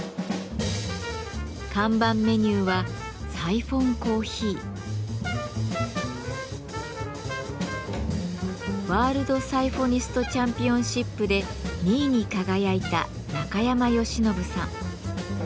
看板メニューはワールド・サイフォニスト・チャンピオンシップで２位に輝いた中山吉伸さん。